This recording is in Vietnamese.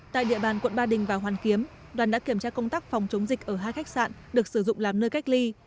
tại địa bàn quận ba đình và hoàn kiếm đoàn đã kiểm tra công tác phòng chống dịch ở hai khách sạn được sử dụng làm nơi cách ly